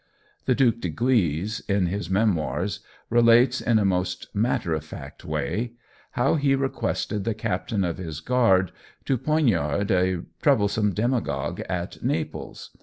The Duc de Guise, in his memoirs, relates in a most matter of fact way, how he requested the captain of his guard to poniard a troublesome demagogue at Naples.